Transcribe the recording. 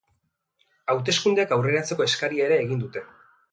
Hauteskundeak aurreratzeko eskaria ere egin dute.